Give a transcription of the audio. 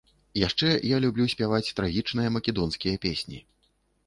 Яшчэ я люблю спяваць трагічныя македонскія песні.